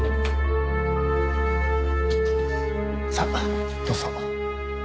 さどうぞ。